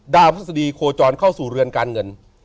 พฤษฎีโคจรเข้าสู่เรือนการเงิน